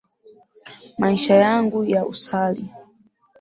Maisha yangu ya usali.